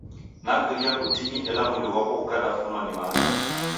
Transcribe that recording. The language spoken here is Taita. Nakirie kutini ela mwindi ghwapo ghukadafunwa ni mamba.